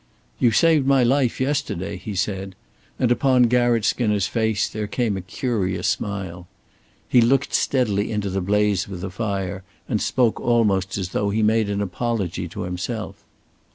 "You saved my life yesterday," he said; and upon Garratt Skinner's face there came a curious smile. He looked steadily into the blaze of the fire and spoke almost as though he made an apology to himself.